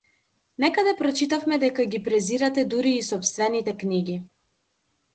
Некаде прочитавме дека ги презирате дури и сопстените книги.